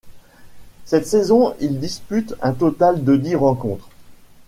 Cette saison il dispute un total de dix rencontres.